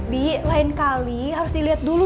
bi lain kali harus dilihat dulu